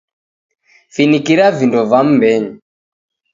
Finikira vindo va mbenyu.